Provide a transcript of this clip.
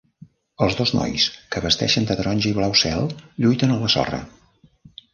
Els dos nois, que vesteixen de taronja i de blau cel, lluiten a la sorra.